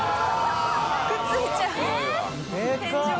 くっついちゃう天井に。